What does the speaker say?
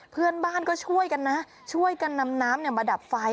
เพื่อนบ้านก็ช่วยกันนะช่วยกันนำน้ำมาดับไฟ